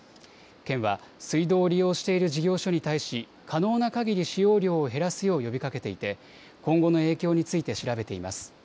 県は水道を利用している事業所に対し可能なかぎり使用量を減らすよう呼びかけていて今後の影響について調べています。